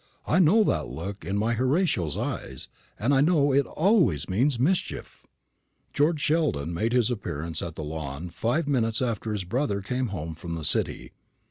"I know that look in my Horatio's eyes; and I know it always means mischief." George Sheldon made his appearance at the Lawn five minutes after his brother came home from the City.